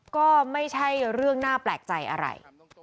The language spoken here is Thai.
ก็ไม่ใช่เรื่องน่าแปลกใจอะไร